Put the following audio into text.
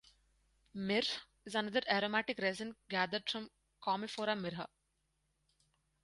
Myrrh is another aromatic resin gathered from "Commiphora myrrha".